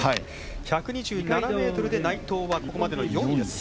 １２７ｍで内藤はここまでの４位です。